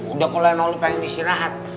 udah kalo yang nolih pengen istirahat